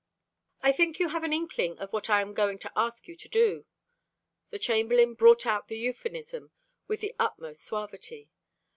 "I think you have an inkling of what I am going to ask you to do." The Chamberlain brought out the euphemism with the utmost suavity.